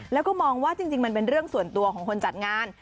แล้วก็มองว่าจริงมันเป็นเรื่องส่วนตัวของคนจัดงาน